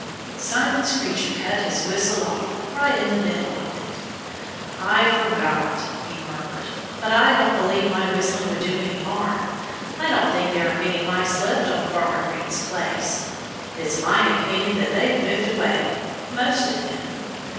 Simon Screecher cut his whistle off right in the middle of it. "I forgot," he murmured. "But I don't believe my whistling would do any harm. I don't think there are many Mice left on Farmer Green's place. It's my opinion that they've moved away most of them.